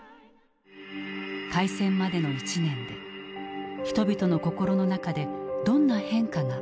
開戦までの１年で人々の心の中でどんな変化があったのか。